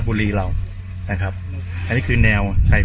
สวัสดีครับคุณผู้ชาย